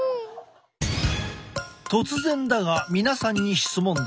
突然だが皆さんに質問だ。